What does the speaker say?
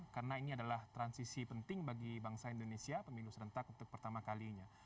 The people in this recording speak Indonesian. karena ini adalah transisi penting bagi bangsa indonesia pemilu serentak untuk pertama kalinya